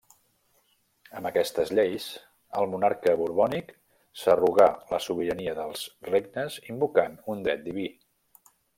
Amb aquestes lleis el monarca borbònic s'arrogà la sobirania dels regnes invocant un dret diví.